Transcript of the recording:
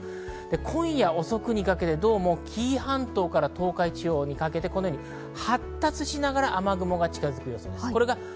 今夜遅くにかけて紀伊半島から東海地方にかけて発達しながら雨雲が近づく予想です。